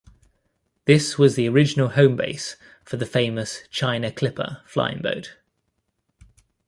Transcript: This was the original home base for the famous China Clipper flying boat.